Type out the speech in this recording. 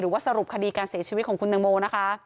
ว่าสรุปคดีการเสียชีวิตของคุณตังโมนะคะ